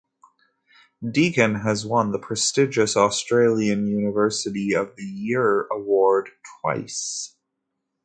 Deakin has won the prestigious Australian University of the Year award twice.